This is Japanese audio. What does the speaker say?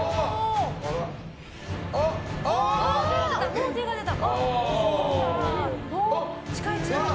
もう手が出た。